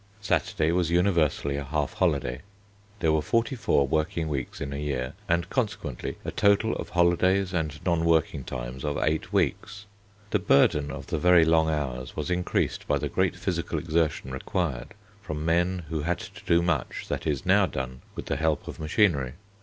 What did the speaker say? Saturday was universally a half holiday. There were 44 working weeks in a year and, consequently, a total of holidays and non working times of eight weeks. The burden of the very long hours was increased by the great physical exertion required from men who had to do much that is now done with the help of machinery.